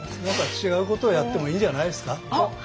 何か違うことをやってもいいんじゃないですか。